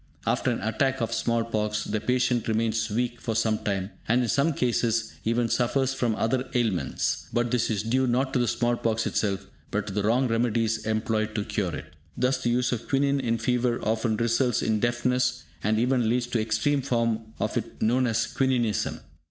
After an attack of small pox, the patient remains weak for sometime, and in some cases even suffers from other ailments. But this is due not to the small pox itself; but to the wrong remedies employed to cure it. Thus, the use of quinine in fever often results in deafness, and even leads to the extreme form of it known as "quininism".